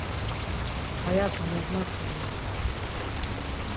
Aya gamognapu minon.